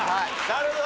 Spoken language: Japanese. なるほど！